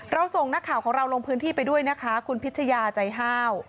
ส่งนักข่าวของเราลงพื้นที่ไปด้วยนะคะคุณพิชยาใจห้าว